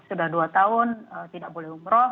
sudah dua tahun tidak boleh umroh